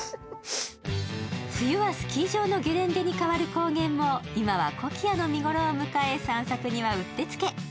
冬はスキー場のゲレンデに変わる高原も今はコキアの見頃を迎え散策にはうってつけ。